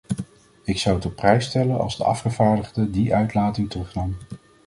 Ik zou het op prijs stellen als de afgevaardigde die uitlating terugnam.